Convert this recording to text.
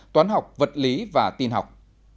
toán học vật lý và tin học